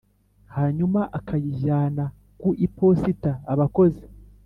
hanyuma akayijyana ku iposita. abakozi